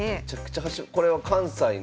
これは関西の。